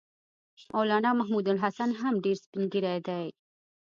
مولنا محمودالحسن هم ډېر سپین ږیری دی.